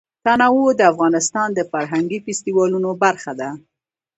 تنوع د افغانستان د فرهنګي فستیوالونو برخه ده.